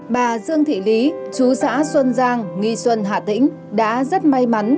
trong thị lý chú xã xuân giang nghi xuân hà tĩnh đã rất may mắn